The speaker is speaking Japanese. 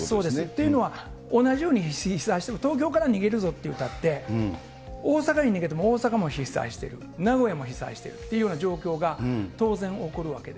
というのは、同じように被災しても、東京から逃げるぞっていうたって、大阪に逃げても大阪も被災している、名古屋も被災してるというような状況が当然起こるわけで。